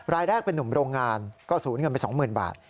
รายแรกเป็นนุ่มโรงงานก็สูญเงินไป๒๐๐๐บาท